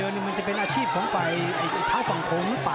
ให้ดุมันจะเป็นอาชีพของไฟท้าฝังโครงหรือเปล่า